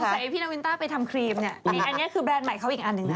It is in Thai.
ใส่พี่นาวินต้าไปทำครีมเนี่ยอันนี้คือแรนด์ใหม่เขาอีกอันหนึ่งนะ